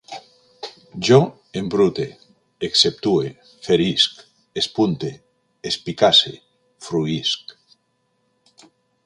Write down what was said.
Jo embrute, exceptue, ferisc, espunte, espicasse, fruïsc